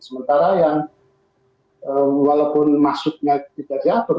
sementara yang walaupun masuknya tidak diatur